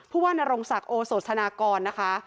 ภูวะนรงสักโอสสนากรนะคะ